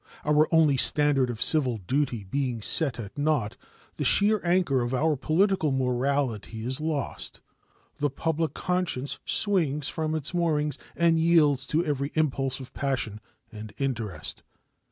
Our only standard of civil duty being set at naught, the sheet anchor of our political morality is lost, the public conscience swings from its moorings and yields to every impulse of passion and interest.